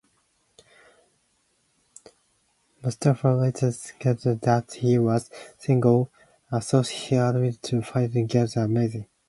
Mustafa later stated that he was single, though he admitted to finding Griffin "amazing".